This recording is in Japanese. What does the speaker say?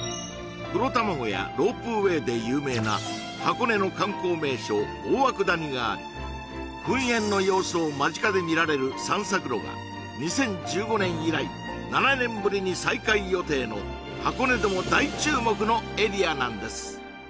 黒たまごやロープウェイで有名な箱根の観光名所大涌谷があり噴煙の様子を間近で見られる散策路が２０１５年以来７年ぶりに再開予定の箱根でも大注目のエリアなんです